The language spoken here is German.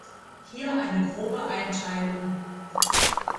Hier eine grobe Einteilung.